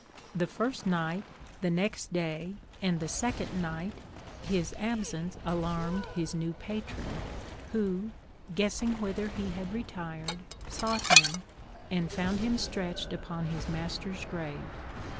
The first night, the next day, and the second night, his absence alarmed his new patron, who, guessing whither he had retired, sought him, and found him stretched upon his master's grave.